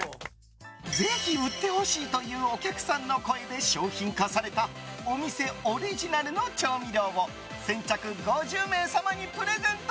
ぜひ売ってほしいというお客さんの声で商品化されたお店オリジナルの調味料を先着５０名様にプレゼント。